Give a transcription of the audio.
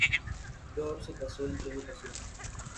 Dors se casó en tres ocasiones.